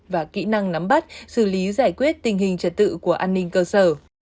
và kỹ năng nắm bắt xử lý giải quyết tình hình trật tự của an ninh cơ sở